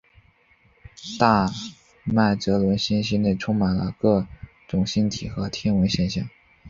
大麦哲伦星系内充满了各种星体和天文现象。